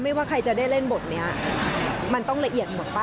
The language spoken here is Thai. ว่าใครจะได้เล่นบทนี้มันต้องละเอียดหมดป่